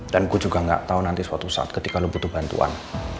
dan gue juga gak tau nanti suatu saat ketika lo butuh bantuan